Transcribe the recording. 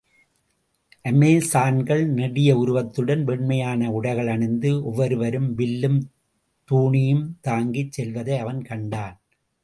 அமெசான்கள் நெடிய உருவத்துடன், வெண்மையான உடைகளணிந்து, ஒவ்வொருவரும் வில்லும் தூணியும் தாங்கிச் செல்வதை அவன் கண்டான்.